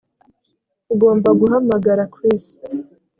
Ugomba guhamagara Chris